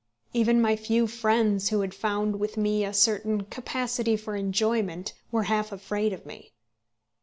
Even my few friends who had found with me a certain capacity for enjoyment were half afraid of me.